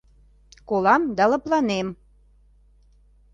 Колам да лыпланем